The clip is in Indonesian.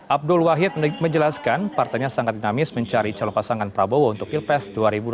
abdul wahid menjelaskan partainya sangat dinamis mencari calon pasangan prabowo untuk pilpres dua ribu dua puluh